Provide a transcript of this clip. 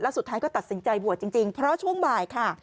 สุดท้ายก็ตัดสินใจบวชจริงเพราะช่วงบ่ายค่ะ